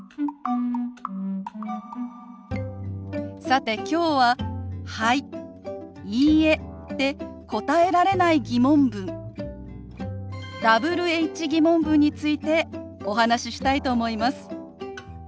さてきょうは「はい」「いいえ」で答えられない疑問文Ｗｈ−疑問文についてお話ししたいと思います。